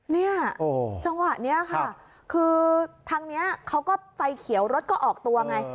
เนี่ยจังหวะนี้ค่ะคือทางนี้เขาก็ไฟเขียวรถก็ออกตัวไง